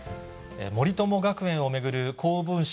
森友学園を巡る公文書